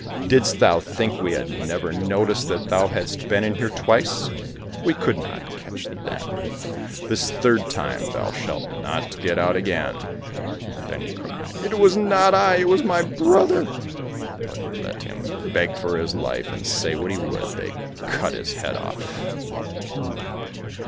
Didst thou think we had never noticed that thou hadst been in here twice? We could not catch thee then; this third time thou shalt not get out again!" Then he cried, "It was not I, it was my brother," but let him beg for his life and say what he would, they cut his head off.